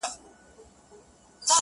د جهنم منځ کي د اوسپني زنځیر ویده دی.